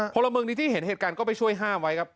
พลเมืองดีที่เห็นเหตุการณ์ก็ไปช่วยห้ามไว้ครับ